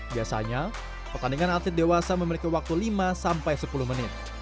biasanya pertandingan atlet dewasa memiliki waktu lima sampai sepuluh menit